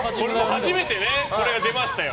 初めてこれが出ましたよ。